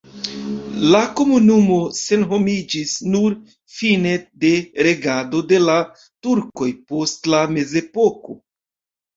La komunumo senhomiĝis nur fine de regado de la turkoj post la mezepoko.